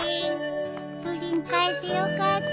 プリン買えてよかった。